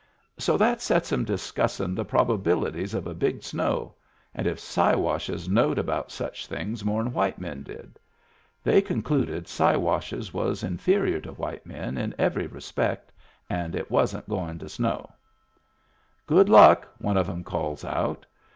So that sets 'em discussin' the probabilities of a big snow and if Siwashes knowed about such things more'n white men did. They concluded Siwashes was inferior to white men in every re spect, and it wasn't goin' to snow. " Good luck I " one of 'em calls out.